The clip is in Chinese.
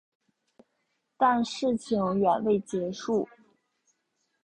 但事情远未结束。